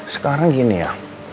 sekarang gini ya